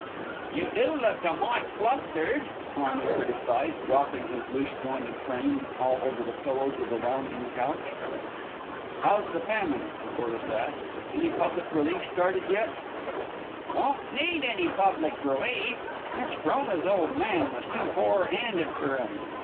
"You do look a mite flustered," Harney criticised, dropping his loose jointed frame all over the pillows of the lounging couch. "How's the famine?" Corliss asked. "Any public relief started yet?" "Won't need any public relief. Miss Frona's old man was too forehanded fer 'em.